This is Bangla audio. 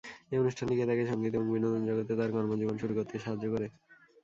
এই অনুষ্ঠানটি তাকে সঙ্গীত এবং বিনোদন জগতে তার কর্মজীবন শুরু করতে সাহায্য করে।